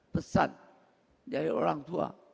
pesan dari orang tua